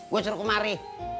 gua suruh kemari